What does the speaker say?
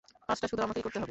কাজটা শুধু আমাকেই করতে হবে।